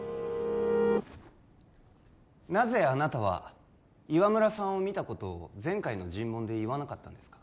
なぜあなたは岩村さんを見たことを前回の尋問で言わなかったんですか？